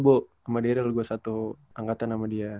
sama daryl gue satu angkatan sama dia